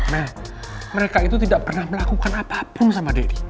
mel mereka itu tidak pernah melakukan apapun sama daddy